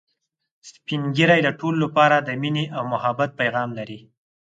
سپین ږیری د ټولو لپاره د ميني او محبت پیغام لري